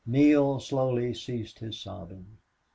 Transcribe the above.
Neale slowly ceased his sobbing.